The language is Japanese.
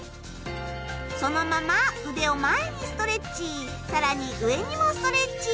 そのまま腕を前にストレッチさらに上にもストレッチ。